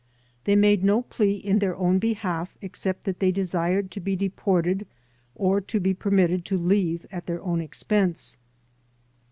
They made no plea in their own behalf except that they desired to be deported or to be permitted to leave at their own expense.